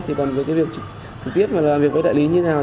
thì còn cái việc thực tiếp là làm việc với đại lý như thế nào